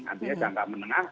nanti ya jangka menengah